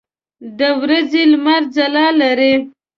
د ورځې لمر ځلا لري.